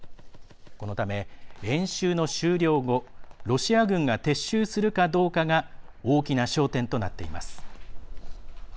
このため、演習の終了後ロシア軍が撤収するかどうかが大きな焦点となっています。